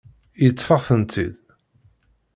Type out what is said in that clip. Yeṭṭef-aɣ-tent-id.